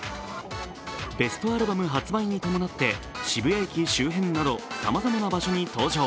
ベストアルバム発売に伴って渋谷駅周辺などさまざまな場所に登場。